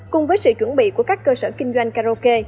cùng với sự chuẩn bị của các cơ sở kinh doanh karaoke